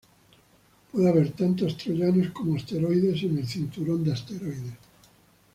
Puede haber tantos troyanos como asteroides en el cinturón de asteroides.